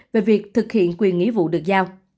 về việc thực hiện quyền nghĩa vụ được giao